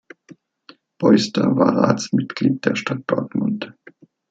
Beuster war Ratsmitglied der Stadt Dortmund.